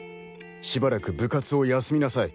しばらく部活を休みなさい！